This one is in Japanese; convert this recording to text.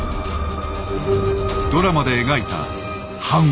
ドラマで描いた半割れ。